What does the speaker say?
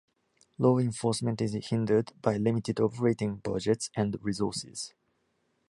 Law enforcement is hindered by limited operating budgets and resources.